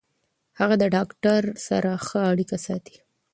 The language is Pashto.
هغه د ډاکټر سره ښه اړیکه ساتي.